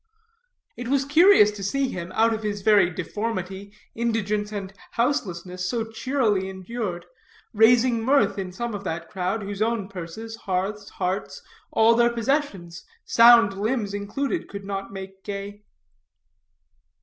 It was curious to see him, out of his very deformity, indigence, and houselessness, so cheerily endured, raising mirth in some of that crowd, whose own purses, hearths, hearts, all their possessions, sound limbs included, could not make gay.